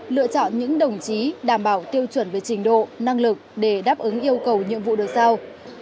lựa chọn những đồng chí đảm bảo tiêu chuẩn về trình độ năng lực để đáp ứng yêu cầu nhiệm vụ được giao